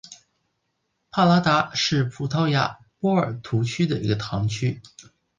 帕拉达是葡萄牙波尔图区的一个堂区。